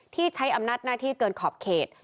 ที่ใช้อำนาจหน้าที่เกินขอบเขต